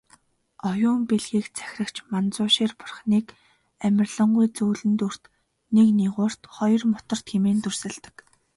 Оюун билгийг захирагч Манзушир бурхныг "амарлингуй зөөлөн дүрт, нэг нигуурт, хоёрт мутарт" хэмээн дүрсэлдэг.